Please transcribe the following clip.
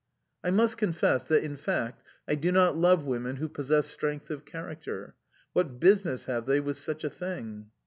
I must confess that, in fact, I do not love women who possess strength of character. What business have they with such a thing?